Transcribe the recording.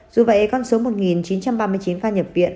dù vậy con số một chín trăm ba mươi chín ca nhập viện